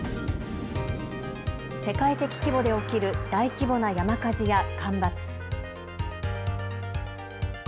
世界的規模で起きる大規模な山火事や干ばつ。